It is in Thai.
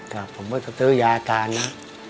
ครับผมก็จะซื้อยาทานนะ